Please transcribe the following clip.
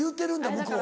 向こう。